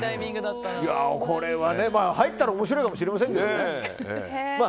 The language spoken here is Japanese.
入ったら面白いかもしれませんけどね。